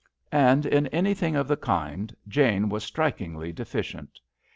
And in anything of the kind Jane was strikingly deficient.